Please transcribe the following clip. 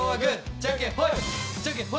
じゃんけんほい。